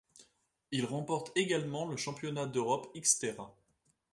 Il remporte également le championnat d'Europe Xterra.